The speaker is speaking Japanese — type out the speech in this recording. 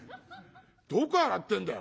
どこ洗ってんだよ」。